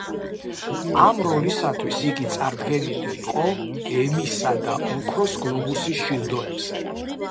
ამ როლისათვის იგი წარდგენილი იყო ემისა და ოქროს გლობუსის ჯილდოებზე.